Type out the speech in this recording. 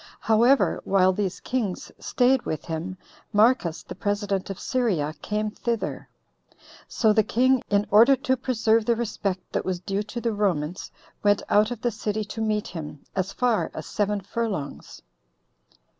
However, while these kings staid with him, Marcus, the president of Syria, came thither. So the king, in order to preserve the respect that was due to the Romans, went out of the city to meet him, as far as seven furlongs.